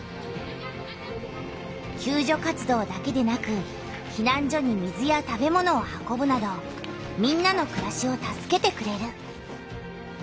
救助活動だけでなくひなん所に水や食べ物を運ぶなどみんなのくらしを助けてくれる。